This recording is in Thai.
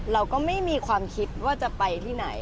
เราก็ไม่มีความคิดว่าจะไปที่ไหน